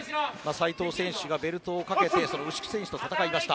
斎藤選手がベルトをかけて牛久選手と戦いました。